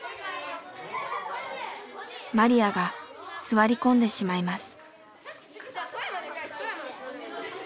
マリヤが座り込んでしまいます。